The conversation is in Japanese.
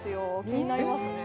気になりますね